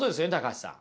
橋さん。